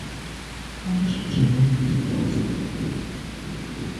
Адже ж учинив їй зухвальство!